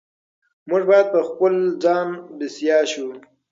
موږ باید په خپل ځان بسیا شو.